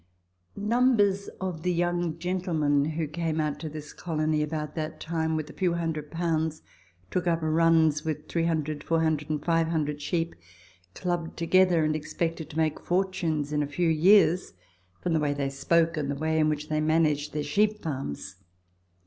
Numbers of the young gentlemen who came out to this colony about that time, with a few hundred pounds, took up runs witli Letters from Victorian Pioneers. 25 300, 400, and 500 sheep, clubbed together, and expected to make fortunes in a few years, from the way they spoke, and the way in which they managed their sheep farms.